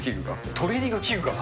トレーニング器具が？